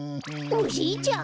おじいちゃん？